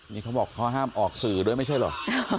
นี่เขาบอกเขาห้ามออกสื่อด้วยไม่ใช่เหรอ